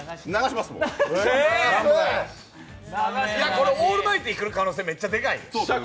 これオールマイティーくる可能性めっちゃ高いよ。